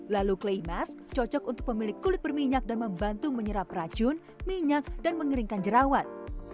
lalu clay mask cocok untuk pemilik kulit berminyak dan membantu menyerap racun minyak dan mengeringkan jerawat